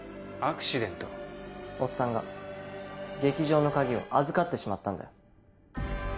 おっさんが劇場の鍵を預かってしまったんだよ。